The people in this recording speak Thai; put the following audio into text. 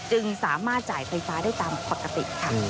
จึงสามารถจ่ายไฟฟ้าได้ตามปกติค่ะ